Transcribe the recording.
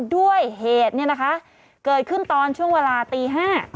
ด้วยเหตุเนี่ยนะคะเกิดขึ้นตอนช่วงเวลาตี๕